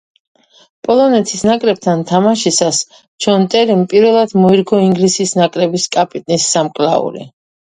პოლონეთის ნაკრებთან თამაშისას ჯონ ტერიმ პირველად მოირგო ინგლისის ნაკრების კაპიტნის სამკლაური.